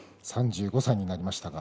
３５歳になりましたね。